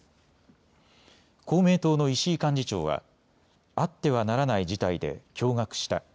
公明党の石井幹事長はあってはならない事態で驚がくした。